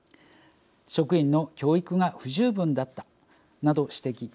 職員の教育が不十分だった、など指摘。